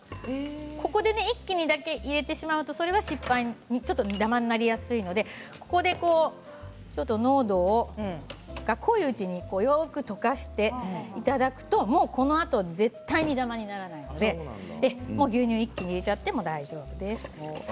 ここで一気に入れてしまうと、それが失敗にちょっとダマになりやすいのでここで濃度が濃いうちによく溶かしていただくともうこのあと絶対にダマにならないので牛乳は一気に入れちゃって大丈夫です。